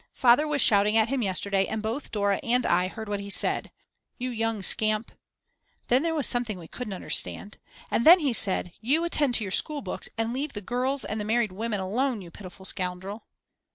Father was shouting at him yesterday and both Dora and I heard what he said: You young scamp (then there was something we couldn't understand) and then he said, you attend to your school books and leave the girls and the married women alone you pitiful scoundrel.